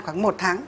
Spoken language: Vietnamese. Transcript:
khoảng một tháng